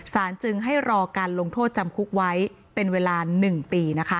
จึงให้รอการลงโทษจำคุกไว้เป็นเวลา๑ปี